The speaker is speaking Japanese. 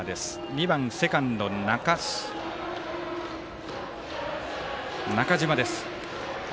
２番セカンド、中島です。